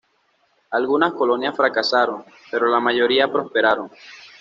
Algunas colonias fracasaron, pero la mayoría prosperaron.